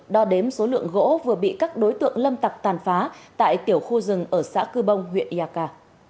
đo đếm số lượng gỗ vừa bị các đối tượng lâm tặc tàn phá tại tiểu khu rừng ở xã cư bông huyện iaka